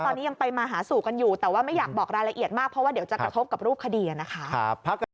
ตอนนี้ยังไปมาหาสู่กันอยู่แต่ว่าไม่อยากบอกรายละเอียดมากเพราะว่าเดี๋ยวจะกระทบกับรูปคดีนะคะ